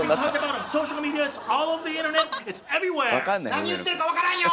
何言ってるか分からんよ！